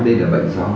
đây là bệnh do